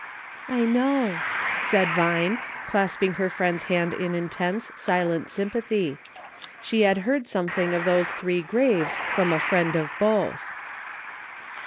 "I know," said Vine, clasping her friend's hand in intense, silent sympathy ; she had heard some thing of those three graves from a friend of both.